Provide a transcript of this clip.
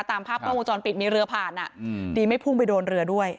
ตามภาพโปรงโมจรปิดมีเรือผ่านอ่ะเดี๋ยวไม่พุ่งไปโดนเรือด้วย